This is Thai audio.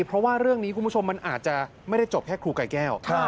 เพราะว่าเรื่องนี้คุณผู้ชมมันอาจจะไม่ได้จบแค่ครูไก่แก้ว